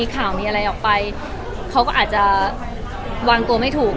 เค้าก็อาจจะวางตัวไม่ถูก